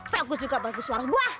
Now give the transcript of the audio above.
fokus juga bagus suara gua